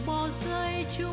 trong trái tim con